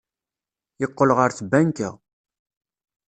Yeqqel ɣer tbanka.